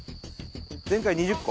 前回２０個？